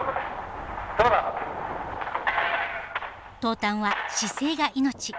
投炭は姿勢が命。